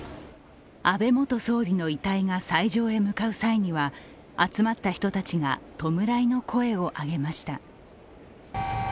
安倍元総理の遺体が斎場へ向かう際には集まった人たちが弔いの声を上げました。